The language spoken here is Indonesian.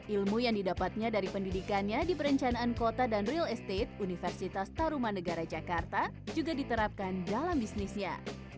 ilmu yang didapatnya dari pendidikannya di perencanaan kota dan real estate universitas taruman negara jakarta juga diterapkan dalam bisnisnya